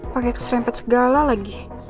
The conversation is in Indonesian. pakai keserempet segala lagi